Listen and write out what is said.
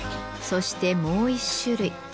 そしてもう一種類。